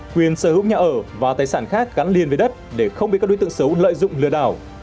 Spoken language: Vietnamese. quyền sở hữu nhà ở và tài sản khác gắn liền với đất để không bị các đối tượng xấu lợi dụng lừa đảo